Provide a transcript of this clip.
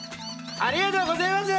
ありがとうごぜます！